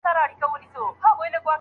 چي په کور کي د بادار وي ټول ښاغلي